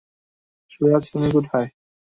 সুরাজ, কোথায় তুমি?